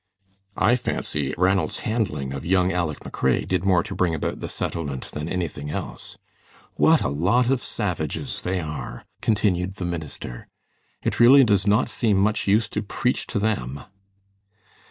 I fancy Ranald's handling of young Aleck McRae did more to bring about the settlement than anything else. What a lot of savages they are!" continued the minister. "It really does not seem much use to preach to them."